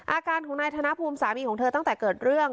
อาการของนายธนภูมิสามีของเธอตั้งแต่เกิดเรื่อง